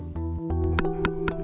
kepala kepala kepala